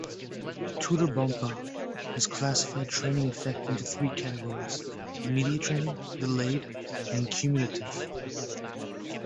Tudor Bompa has classified training effect into three categories: immediate training, delayed, and cumulative.